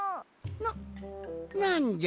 ななんじゃって！？